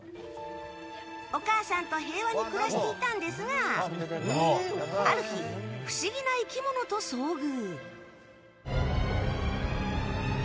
お母さんと平和に暮らしていたんですがある日、不思議な生き物と遭遇。